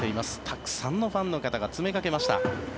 たくさんのファンの方が詰めかけました。